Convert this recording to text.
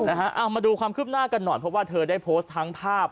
เอามาดูความคืบหน้ากันหน่อยเพราะว่าเธอได้โพสต์ทั้งภาพ